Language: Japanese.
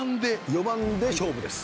四番で勝負です。